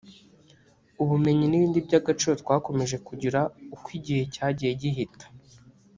ubumenyi n’ibindi by’agaciro twakomeje kugira uko igihe cyagiye gihita